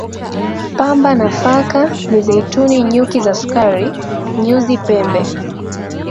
pamba nafaka mizeituni nyuki za sukari nyuzi pembe